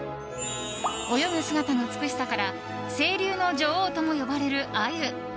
泳ぐ姿の美しさから清流の女王とも呼ばれるアユ。